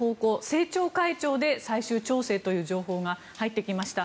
政調会長で最終調整という情報が入ってきました。